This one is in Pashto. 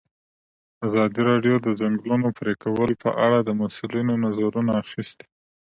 ازادي راډیو د د ځنګلونو پرېکول په اړه د مسؤلینو نظرونه اخیستي.